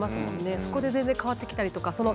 そこで全然、変わってきたりとか。